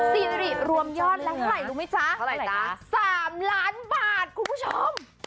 ซีรีส์รวมยอดและเท่าไหร่รู้มั้ยจ๊ะ๓ล้านบาทคุณผู้ชม